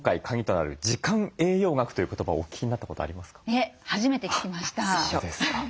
いえ初めて聞きました。